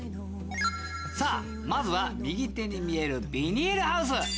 さぁまずは右手に見えるビニールハウス！